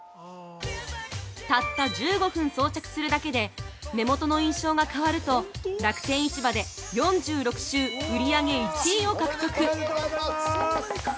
たった１５分装着するだけで目元の印象が変わると楽天市場で４６週売り上げ１位を獲得。